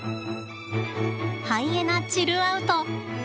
ハイエナチルアウト！